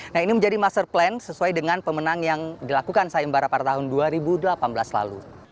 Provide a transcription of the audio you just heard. nah ini menjadi master plan sesuai dengan pemenang yang dilakukan sayembara pada tahun dua ribu delapan belas lalu